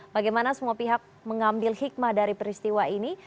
bagaimana semua pihak mengambil hikmah dari peristiwa ini